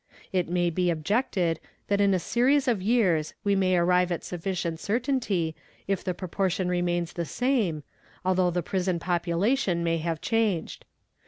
It may be objected that in a series of years we may arrive at sufficient certainty if the proportion remains the same, although the prison population may have changed.